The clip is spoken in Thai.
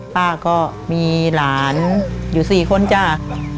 ป้าก็มีหลานอยู่๔คนจ้า